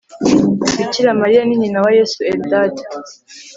Bikira Mariya ni nyina wa Yesu Eldad